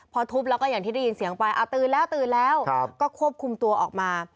พอทุบแล้วก็อย่างที่ได้ยินเสียงไปตื่นแล้วตื่นแล้วก็ควบคุมตัวออกมา